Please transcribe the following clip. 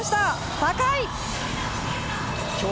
高い！